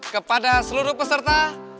kepada seluruh peserta